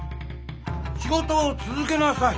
仕事を続けなさい。